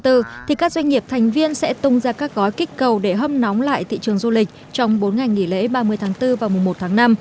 thì các doanh nghiệp thành viên sẽ tung ra các gói kích cầu để hâm nóng lại thị trường du lịch trong bốn ngày nghỉ lễ ba mươi tháng bốn và mùa một tháng năm